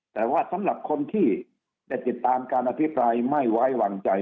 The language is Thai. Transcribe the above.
แต่ว่าสำหรับคนที่ได้ติดตามการอภิปรายไม่ไว้วางใจ